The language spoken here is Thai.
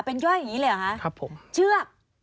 เป็นย่อยอย่างนี้เลยเหรอคะ